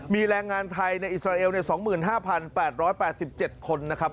มีแรงงานไทยในอิสราเอล๒๕๘๘๗คนนะครับ